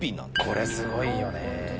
これすごいよね。